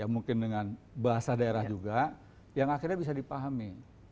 mungkin dengan bahasa daerah juga yang akhirnya bisa dipahami